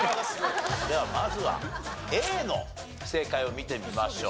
ではまずはＡの正解を見てみましょう。